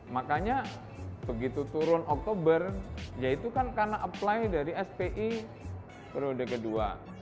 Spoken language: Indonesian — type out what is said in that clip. makanya begitu turun oktober ya itu kan karena apply dari spi periode kedua